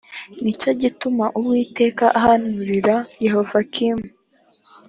ni cyo gituma uwiteka ahanurira yehoyakimu